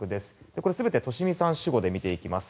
これは全て利美さんを主語で見ていきます。